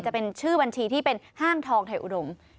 จะเป็นชื่อบัญชีที่เป็นห้างทองไทยอุดม